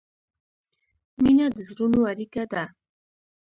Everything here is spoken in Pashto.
مینه د زړونو اړیکه ده.